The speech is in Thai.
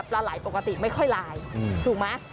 ปลาไหลปกติไม่ค่อยลายถูกไหม